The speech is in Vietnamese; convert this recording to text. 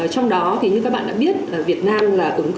trong đó như các bạn đã biết việt nam là ứng dụng